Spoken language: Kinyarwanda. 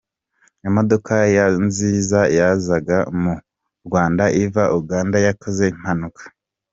Imodoka ya nziza yazaga mu Rwanda iva Uganda yakoze impanuka